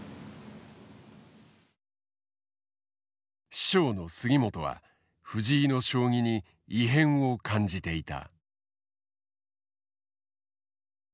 師匠の杉本は藤井の将棋に異変を感じていた。